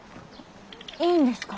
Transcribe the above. いいんですか？